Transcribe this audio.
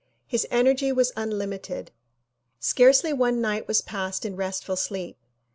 His energy was unlimited. Scarcely one night was passed in restful sleep.